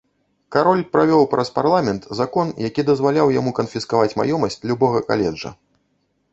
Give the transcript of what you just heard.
Кароль правёў праз парламент закон, які дазваляў яму канфіскаваць маёмасць любога каледжа.